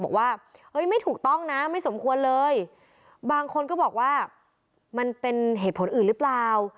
บอกว่าเอ้ยไม่ถูกต้องนะไม่สมควรเลยบางคนก็บอกว่ามันเป็นเหตุผลอื่นหรือเปล่า